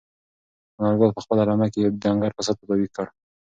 انارګل په خپله رمه کې یو ډنګر پسه تداوي کړ.